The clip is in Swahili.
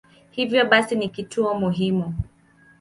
Hivyo basi ni kituo muhimu.